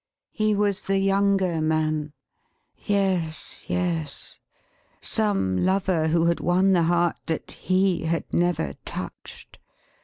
He was the younger man! Yes, yes; some lover who had won the heart that he had never touched.